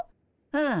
うん。